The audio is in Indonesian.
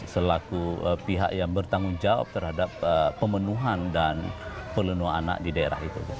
selaku pihak yang bertanggung jawab terhadap pemenuhan dan pelenuh anak di daerah itu